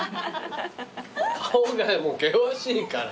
顔が険しいから。